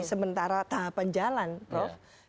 cara tahapan jalan prof